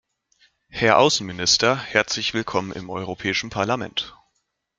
Herr Außenminister, herzlich willkommen im Europäischen Parlament!